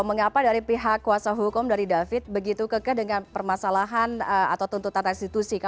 mengapa dari pihak kuasa hukum dari david begitu kekeh dengan permasalahan atau tuntutan restitusi